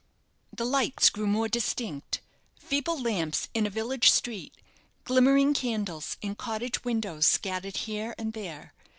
The lights grew more distinct feeble lamps in a village street, glimmering candles in cottage windows scattered here and there.